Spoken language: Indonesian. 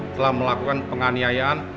telah melakukan penganiayaan